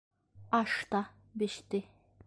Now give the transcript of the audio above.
Аш та беште.